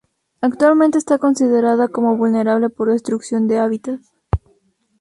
Actualmente está considerada como vulnerable por destrucción de hábitat.